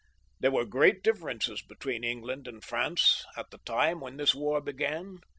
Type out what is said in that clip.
There were great differences between England and Prance at the time when this war began.